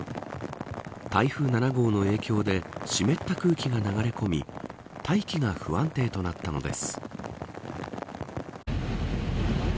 台風７号の影響で湿った空気が流れ込み大気が不安定となったのです。